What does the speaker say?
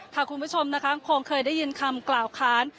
คุณผู้ชมนะคะคงเคยได้ยินคำกล่าวค้าน